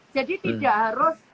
jadi tidak harus